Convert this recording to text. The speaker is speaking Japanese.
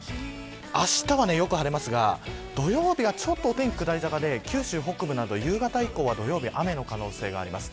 この後、あしたはよく晴れますが土曜日がちょっとお天気下り坂で九州北部など夕方以降は土曜日雨の可能性があります。